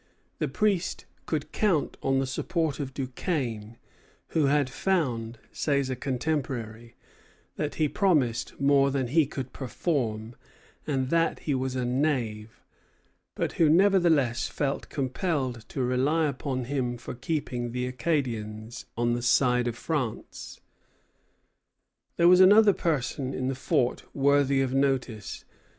The priest could count on the support of Duquesne, who had found, says a contemporary, that "he promised more than he could perform, and that he was a knave," but who nevertheless felt compelled to rely upon him for keeping the Acadians on the side of France. There was another person in the fort worthy of notice.